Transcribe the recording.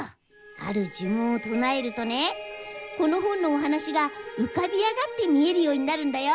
あるじゅもんをとなえるとねこの本のお話がうかび上がって見えるようになるんだよ。